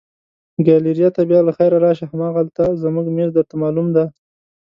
ګالیریا ته بیا له خیره راشه، همالته زموږ مېز درته معلوم دی.